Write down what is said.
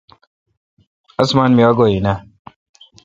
اسمان می آگو این اے۔